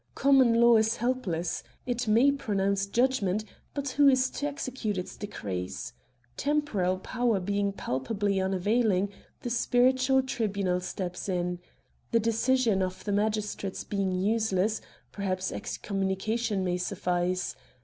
Common law is helpless, it may pronounce judgment, but who is to execute its decrees? Temporal power being palpably unavailing, the spiritual tribunal steps in ; the decision of the magistrates being useless, perhaps excommunication may suffice.